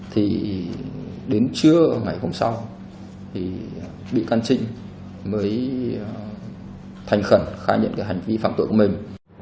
thì đến trưa ngày hôm sau thì bị can trinh mới thành khẩn khai nhận cái hành vi phạm tội của mình